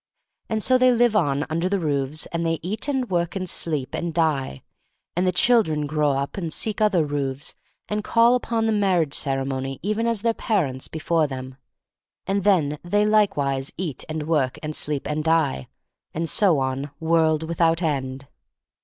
And so they live on under the roofs, and they eat and work and sleep and die; and the children grow up and seek other roofs, and call upon the marriage ceremony even as their parents before them — and then they likewise eat and work and sleep and die; and so on world without end.